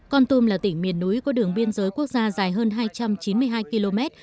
con tum là tỉnh miền núi có đường biên giới quốc gia dài hơn hai trăm chín mươi hai km